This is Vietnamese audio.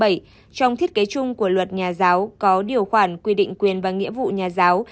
trong thiết kế chung của luật nhà giáo có điều khoản quy định quyền và nghĩa vụ nhà giáo